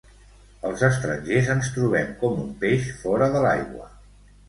Els estrangers ens trobem com un peix fora de l’aigua.